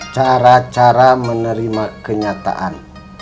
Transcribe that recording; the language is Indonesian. cara cara menerima kenyataan